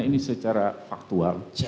ini secara faktual